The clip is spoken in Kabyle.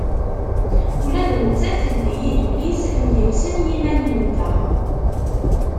Ula d nettat teldi-yi-d ul-is, myelsen yimanen-nteɣ.